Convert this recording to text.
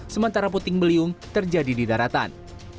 sementara puting beliung terjadi di daratan